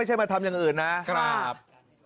ไม่ใช่มาทำอย่างอื่นนะครับ